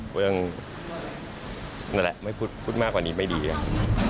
เพราะฉะนั้นแหละพูดมากกว่านี้ไม่ดีครับ